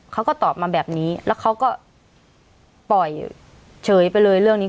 เขาก็ตอบมาแบบนี้แล้วเขาก็ปล่อยเฉยไปเลยเรื่องนี้